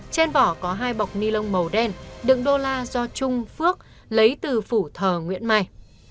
trên vỏ có hai bọc ni lông màu đen đựng đô la do trung phước lấy từ phủ thờ nguyễn mai